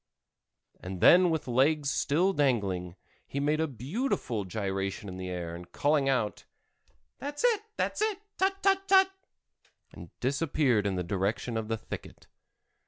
and then with legs still dangling, he made a beautiful gyration in the air, and calling out: "That's it—that's it—tut—tut—tut!" disappeared in the direction of the thicket.